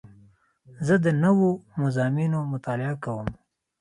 زه د نوو مضامینو مطالعه کوم.